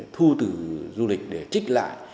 thu từ du lịch để trích lại